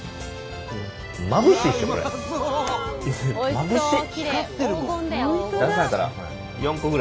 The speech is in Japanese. まぶしい！